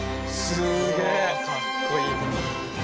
すごいかっこいい。